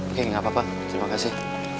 oke gak apa apa terima kasih